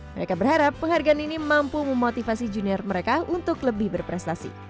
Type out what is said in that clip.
mereka berharap penghargaan ini mampu memotivasi junior mereka untuk lebih berprestasi